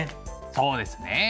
そうですね。